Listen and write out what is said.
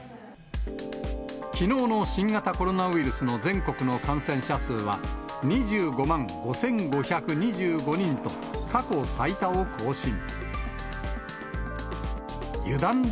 きのうの新型コロナウイルスの全国の感染者数は、２５万５５２５人と、過去最多を更新。